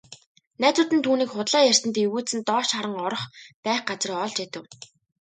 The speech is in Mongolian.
Найзууд нь түүнийг худлаа ярьсанд эвгүйцэн доош харан орох байх газраа олж ядав.